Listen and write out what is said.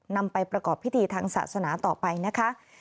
นำไปประกอบพิธีทางศาสนาต่อไปนะคะ